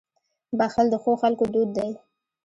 • بښل د ښو خلکو دود دی.